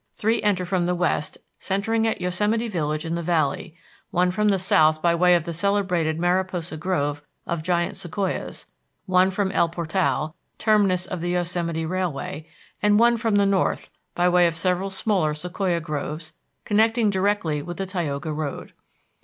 Three enter from the west, centering at Yosemite Village in the Valley; one from the south by way of the celebrated Mariposa Grove of giant sequoias; one from El Portal, terminus of the Yosemite Railway; and one from the north, by way of several smaller sequoia groves, connecting directly with the Tioga Road.